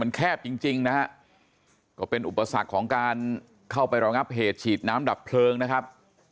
แคบจริงจริงนะฮะก็เป็นอุปสรรคของการเข้าไประงับเหตุฉีดน้ำดับเพลิงนะครับ